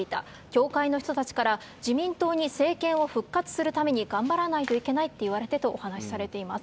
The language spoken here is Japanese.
教会の人たちから自民党に政権を復活するために頑張らないといけないって言われてとお話されています。